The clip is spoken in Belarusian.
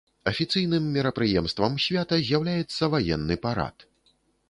Афіцыйным мерапрыемствам свята з'яўляецца ваенны парад.